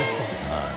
はい。